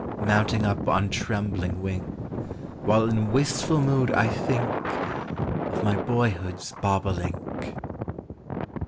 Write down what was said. Mounting up on trembling wing; While in wistful mood I think Of my boyhood's bobolink.